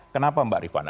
kenapa mbak rifan